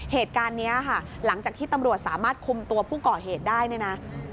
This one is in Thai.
เหตุการณ์นี้ค่ะหลังจากที่ตำรวจสามารถคุมตัวผู้ก่อเหตุได้เนี่ยนะ